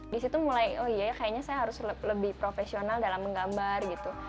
di situ mulai oh iya ya kayaknya saya harus lebih profesional dalam menggambar gitu